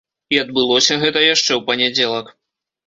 І адбылося гэта яшчэ ў панядзелак.